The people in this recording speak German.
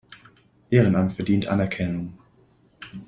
Ehrenamt verdient Anerkennung.